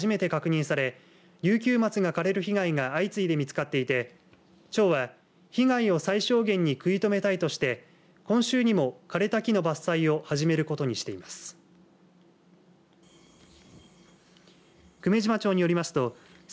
久米島で松食い虫が初めて確認されリュウキュウマツが枯れる被害が相次いで見つかっていて町は被害を最小限に食い止めたいとして今週にも枯れた木の伐採を始めることにしています。